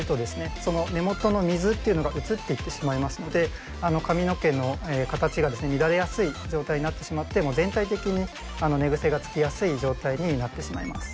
その根元の水というのが移っていってしまいますので髪の毛の形が乱れやすい状態になってしまって全体的に寝ぐせがつきやすい状態になってしまいます。